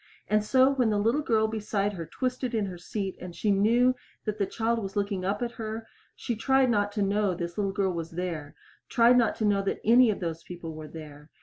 And so when the little girl beside her twisted in her seat and she knew that the child was looking up at her she tried not to know this little girl was there tried not to know that any of those people were there.